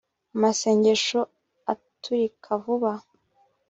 amasengesho aturika vuba '